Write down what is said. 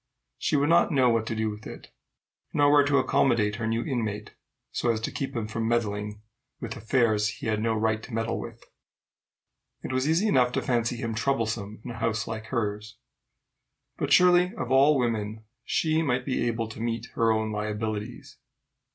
She would not know what to do with it, nor where to accommodate her new inmate so as to keep him from meddling with affairs he had no right to meddle with: it was easy enough to fancy him troublesome in a house like hers. But surely of all women she might be able to meet her own liabilities.